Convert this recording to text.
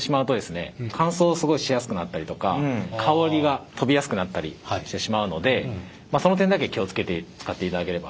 乾燥をすごいしやすくなったりとか香りが飛びやすくなったりしてしまうのでその点だけ気を付けて使っていただければ。